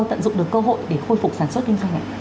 tận dụng được cơ hội để khôi phục sản xuất kinh doanh